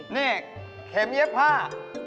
นี่เข็มเย็บผ้า